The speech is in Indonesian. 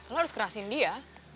lo harus kerasin dia